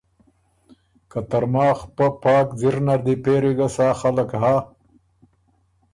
که ترماخ پۀ پاک ځِر نر دی پېری ګه سا خلق هۀ